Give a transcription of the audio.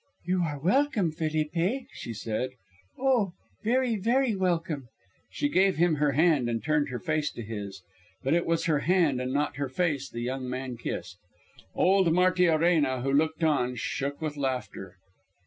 "You are welcome, Felipe," she said. "Oh, very, very welcome." She gave him her hand and turned her face to his. But it was her hand and not her face the young man kissed. Old Martiarena, who looked on, shook with laughter.